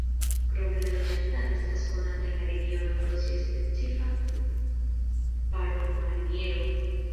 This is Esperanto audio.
Krome la loĝantaro estas konata en la regiono pro sia specifa parolmaniero.